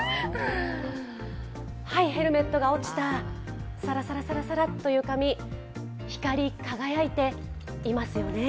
ヘルメットが落ちた、サラサラという髪、光り輝いていますよね。